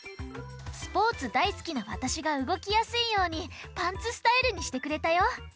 スポーツだいすきなわたしがうごきやすいようにパンツスタイルにしてくれたよ。